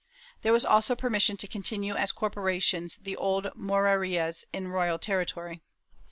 There was also permission to continue as corporations the old Morerias in royal territory.